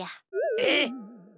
えっ！？